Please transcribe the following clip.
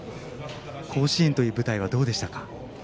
甲子園という舞台はどうでしたか。